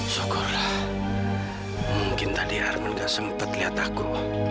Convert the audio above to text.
syukurlah mungkin tadi arman gak sempat lihat aku